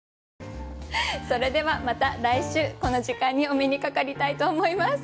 それではまた来週この時間にお目にかかりたいと思います。